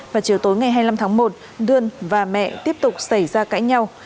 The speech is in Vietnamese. vào chiều tối ngày hai mươi năm tháng một đươn và mẹ tiếp tục xảy ra cãi nhau